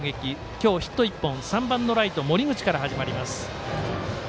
今日ヒット１本３番のライト森口から始まります。